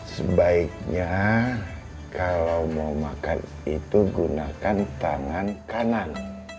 sebaiknya kalau mau makan itu gunakan tangan kanan